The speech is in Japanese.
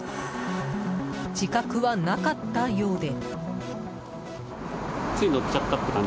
自覚はなかったようで。